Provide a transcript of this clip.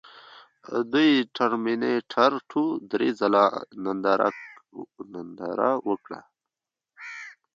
دوی د ټرمینیټر ټو درې ځله ننداره وکړه